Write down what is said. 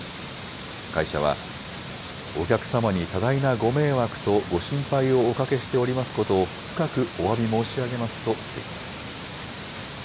会社は、お客様に多大なご迷惑とご心配をおかけしておりますことを、深くおわび申し上げますとしています。